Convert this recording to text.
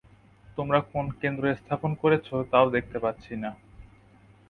তোমরা কোন কেন্দ্র স্থাপন করেছ, তাও দেখতে পাচ্ছি না।